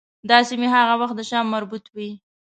دا سیمې هغه وخت د شام مربوط وې.